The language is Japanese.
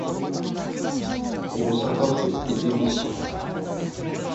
大阪府和泉市